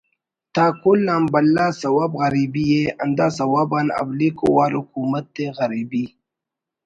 تا کل آن بھلا سوب غریبی ءِ ہندا سوب آن اولیکو وار حکومت ءِ غریبی